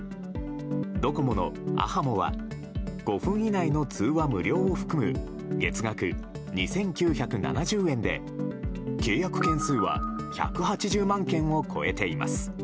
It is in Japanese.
ドコモのａｈａｍｏは５分以内の通話無料を含む月額２９７０円で契約件数は１８０万件を超えています。